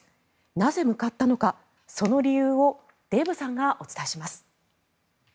なぜ向かったのか、その理由をデーブさんがお伝えします。